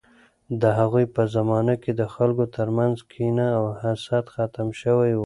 د هغوی په زمانه کې د خلکو ترمنځ کینه او حسد ختم شوی و.